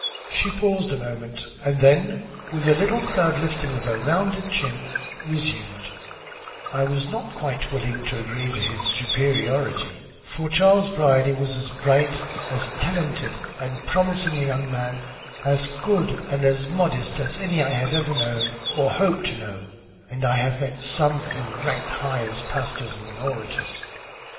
She paused a moment, and then with a little proud lifting of her rounded chin, resumed "I was not quite willing to agree as to the superiority; for Charles Brierly was as bright, as talented and promising a young man, as good and as modest as any I ever knew or hope to know, and I have met some who rank high as pastors and orators."